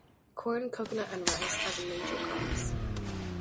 Corn, coconut, and rice are the major crops.